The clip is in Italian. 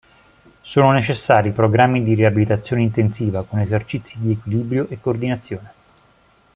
Sono necessari programmi di riabilitazione intensiva con esercizi di equilibrio e coordinazione.